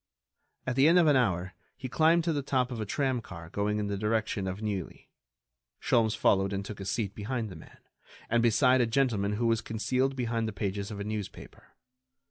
At the end of an hour he climbed to the top of a tramcar going in the direction of Neuilly. Sholmes followed and took a seat behind the man, and beside a gentleman who was concealed behind the pages of a newspaper.